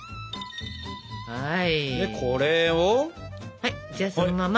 はいじゃそのまま。